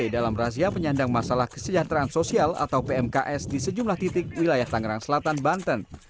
dalam razia penyandang masalah kesejahteraan sosial atau pmks di sejumlah titik wilayah tangerang selatan banten